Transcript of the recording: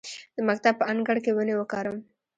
د مکتب په انګړ کې ونې وکرم؟